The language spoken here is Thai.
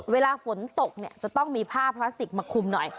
เวลาฝนตกเนี่ยจะต้องมีผ้าพลาสติกมาคุมหน่อย